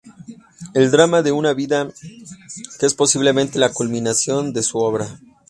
El drama de una vida" que es posiblemente la culminación de su obra.